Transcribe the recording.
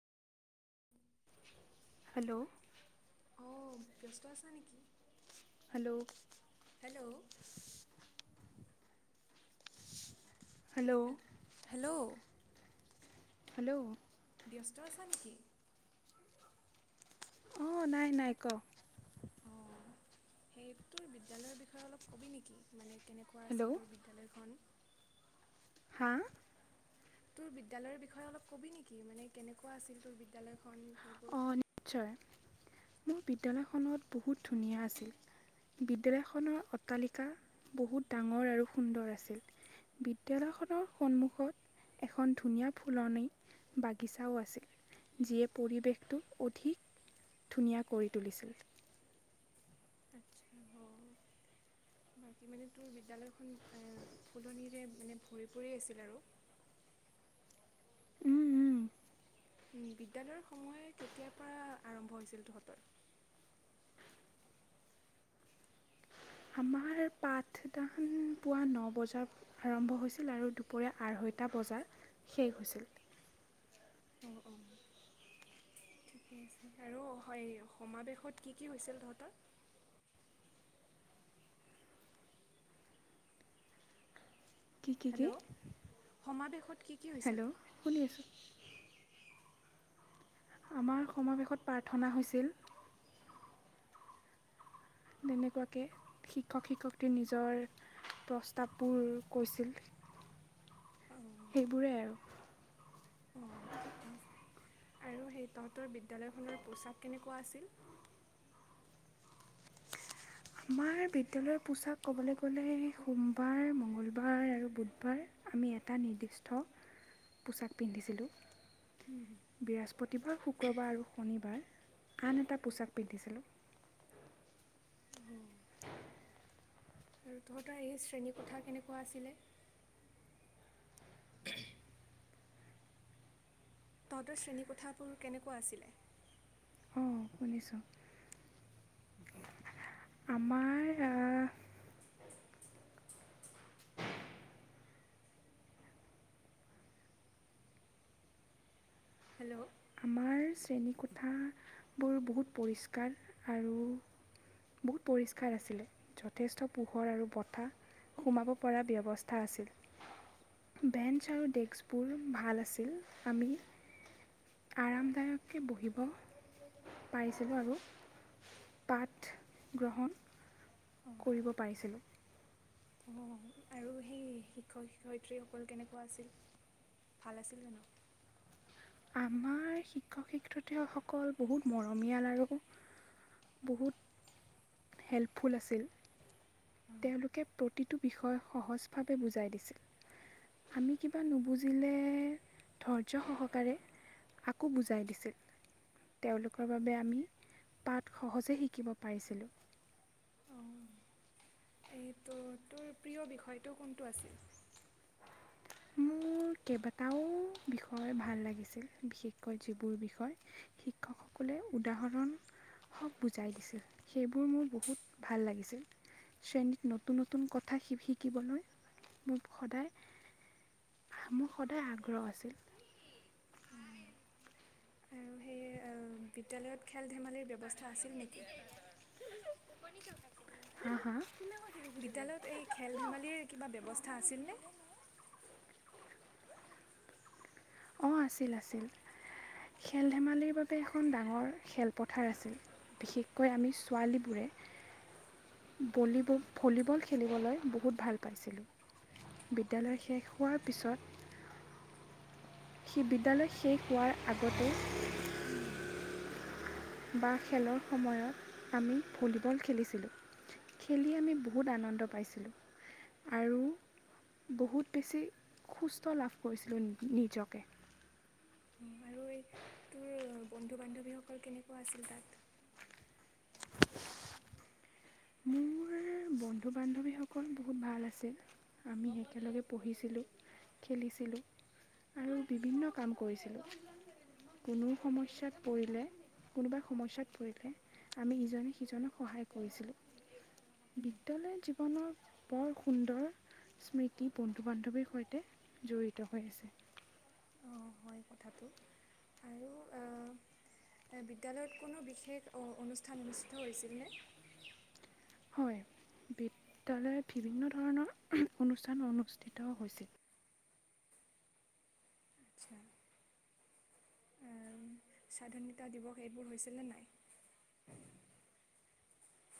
Hello? অঁ, ব্যস্ত আছা নেকি? Hello! Hello hello hello! Hello ব্যস্ত আছা নেকি? অ' নাই নাই ক অ' সেইটোৰ বিদ্যালয়ৰ বিষয়ে অলপ কবি নেকি মানে কেনেকুৱা আছিল হেল্ল' তোৰ বিদ্যালয়খন হা তোৰ বিদ্যালয়ৰ বিষয়ে অলপ কবি নেকি মানে কেনেকুৱা আছিল তোৰ বিদ্যালয়ৰ অ' নিশ্চয় মোৰ বিদ্যালয়খনত বহুত ধুনীয়া আছিল বিদ্যালয়খনৰ অট্টালিকা বহুত ডাঙৰ আৰু সুন্দৰ আছিল বিদ্যালয়খনৰ সন্মুখত এখন ধুনীয়া ফুলনি বাগিচাও আছিল যিয়ে পৰিৱেশটো অধিক ধুনীয়া কৰি তুলিছে। আচ্ছা অ' বাকী মানে তোৰ বিদ্যালয়খন ফুলনিৰে মানে ভৰি পৰি আছিল আৰু উম উম উ বিদ্যালয়ৰ সময় কেতিয়াৰ পৰা আৰম্ভ হৈছিল তহঁতৰ আমাৰ পাঠদান পুৱা ন বজাৰ আৰম্ভ হৈছিল আৰু দুপৰীয়া আঢ়ৈটা বজাৰ শেষ হৈছিল অ' অ' ঠিকে আছে আৰু হয় সমাৱেশত কি কি হৈছে তহঁতৰ কি কি হেল্ল' কি সমাৱেশত কি কি হৈছিল হেল্ল' শুনি আছোঁ আমাৰ সমাৱেশত প্ৰাৰ্থনা হৈছিল। তেনেকুৱাকে শিক্ষক শিক্ষয়ত্ৰী নিজৰ প্ৰস্তাৱবোৰ কৈছিল। সেইবোৰেই আৰু অ' ঠিকে আছে আৰু সেই তহঁতৰ বিদ্যালয়খনৰ পোছাক কেনেকুৱা আছিল? আমাৰ বিদ্যালয়ৰ পোচাক ক'বলৈ গ'লে সোমবাৰ মঙ্গলবাৰ আৰু বুধবাৰ আমি এটা নিৰ্দিষ্ট পোচাক পিন্ধিছিলোঁ। বৃহস্পতিবাৰ শুক্ৰবাৰ আৰু শনিবাৰ আন এটা পোছাক পিন্ধিছিলোঁ। অ' আৰু তহঁতৰ এই শ্ৰেণীৰ কোথা কেনেকুৱা আছিলে তহঁ‌তৰ শ্ৰেণীকোঠাবোৰ কেনেকোৱা আছিলে শুনিছোঁ‌ আমাৰ হেল্ল' আমাৰ শ্ৰেণীকোঠাবোৰ বহুত পৰিষ্কাৰ আৰু বহুত পৰিষ্কাৰ আছিলে যথেষ্ট পোহৰ আৰু বতাহ সোমাব পৰা ব্যৱস্থা আছিল বেঞ্চ আৰু ডেকস্কবোৰ ভাল আছিল আমি আৰামদায়ককে বহিব পাৰিছিলোঁ আৰু পাঠ গ্ৰহণ কৰিব পাৰিছিলোঁ। অ' আৰু সেই শিক্ষক শিক্ষয়িত্ৰীসকল কেনেকুৱা আছিল ভাল আছিল জানো? আমাৰ শিক্ষক শিক্ষয়িত্ৰীসকল বহুত মৰমীয়াল আৰু বহুত হেল্পফুল আছিল তেওঁলোকে প্ৰতিটো বিষয় সহজভাৱে বুজাই দিছিল আমি কিবা নুবুজিলে ধৈৰ্য সহকাৰে আকৌ বুজাই দিছিল তেওঁলোকৰ বাবে আমি পাঠ সহজে শিকিব পাৰিছিলোঁ অ' এইটো তোৰ প্ৰিয় বিষয়টো কোনটো আছিল? মোৰ কেইবাটাও বিষয় ভাল লাগিছিল বিশেষকৈ যিবোৰ বিষয় শিক্ষকসকলে উদাহৰণ হক বুজাই দিছিল সেইবোৰ মোৰ বহুত ভাল লাগিছিল শ্ৰেণীত নতুন নতুন কথা শিকিবলৈ মোক সদায় মোৰ সদায় আগ্ৰহ আছিল। আৰু সেই বিদ্যালয়ত খেল ধেমালিৰ ব্যৱস্থা আছিল নেকি? হা হা বিদ্যালয়ত এই খেল ধেমালিৰ কিবা ব্যৱস্থা আছিলনে অ' আছিল আছিল খেল ধেমালিৰ বাবে এখন ডাঙৰ খেলপথাৰ আছিল বিশেষকৈ আমি ছোৱালীবোৰে ভলীবল খেলিবলৈ বহুত ভাল পাইছিলোঁ, বিদ্যালয় শেষ হোৱাৰ পিছত সেই বিদ্যালয় শেষ হোৱাৰ আগতে উম হুম। বা খেলৰ সময়ত আমি ভলীবল খেলিছিলোঁ। খেলি আমি বহুত আনন্দ পাইছিলোঁ আৰু বহুত বেছি সুস্থ লাভ কৰিছিলোঁ নিজকে। আৰু এই তোৰ বন্ধু বান্ধৱীসকল কেনেকুৱা আছিল তাত? মোৰ বন্ধু বান্ধৱীসকল বহুত ভাল আছিল। আমি একেলগে পঢ়িছিলোঁ, খেলিছিলোঁ আৰু বিভিন্ন কাম কৰিছিলোঁ। কোনো সমস্যাত পৰিলে কোনোবা সমস্যাত পৰিলে আমি ইজনে সিজনক সহায় কৰিছিলোঁ। বিদ্যালয়ত জী জীৱনৰ বৰ সুন্দৰ স্মৃতি বন্ধু বান্ধৱীৰ সৈতে জড়িত হৈ আছে। অ হয় কথাটো আৰু বিদ্যালয়ত কোনো বিশেষ অনুষ্ঠান অনুষ্ঠিত হৈছিলনে? হয় বিদ্যালয়ত বিভিন্ন ধৰণৰ অনুষ্ঠান অনুষ্ঠিত হৈছিল। আচ্ছা স্বাধীনতা দিৱস এইবোৰ হৈছেনে নাই?